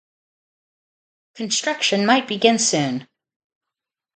Construction might begin soon.